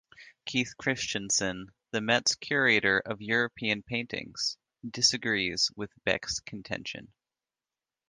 Keith Christiansen, the Met's curator of European paintings, disagrees with Beck's contention.